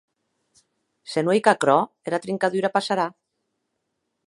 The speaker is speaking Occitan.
Se non ei qu’aquerò, era trincadura passarà.